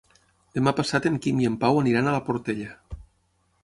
Demà passat en Quim i en Pau aniran a la Portella.